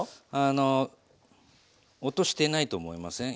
あの音してないと思いません？